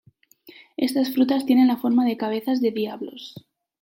Estas frutas tienen la forma de cabezas de diablos.